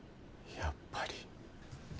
やっぱり。